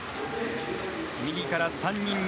右から３人目。